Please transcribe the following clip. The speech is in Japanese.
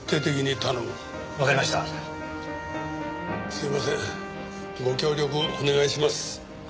すいませんご協力お願いします。